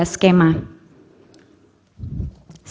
diklasifikasikan menjadi tiga skema